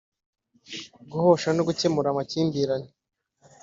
guhosha no gukemura amakimbirane